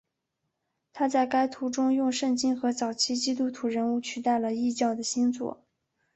他在该图中用圣经和早期基督徒人物取代了异教的星座。